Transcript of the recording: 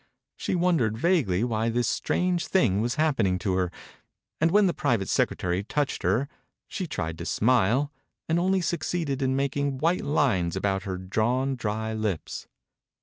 She wondered vaguely why this strange thing was happen ing to her, and when the private secretary touched her she tried to smile, and only succeeded in making white lines about her drawn, dry lips.